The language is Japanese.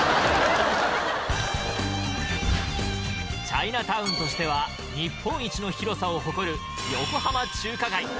チャイナタウンとしては日本一の広さを誇る横浜中華街